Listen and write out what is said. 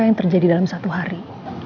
yang terjadi dalam satu hari